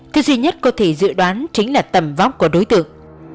cái duy nhất có thể dự đoán chính là tầm vóc của đối tượng